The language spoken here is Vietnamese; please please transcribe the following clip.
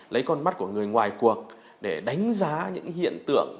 lấy con mắt của người ngoài cuộc để đánh giá những hiện tượng